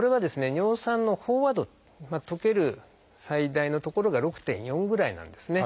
尿酸の飽和度溶ける最大のところが６．４ぐらいなんですね。